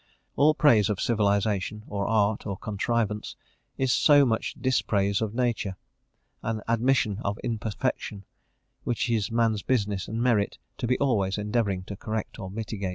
All praise of civilisation, or art, or contrivance, is so much dispraise of nature; an admission of imperfection, which it is man's business, and merit, to be always endeavouring to correct or mitigate.